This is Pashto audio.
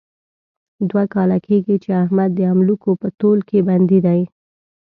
دوه کاله کېږي، چې احمد د املوکو په تول کې بندي دی.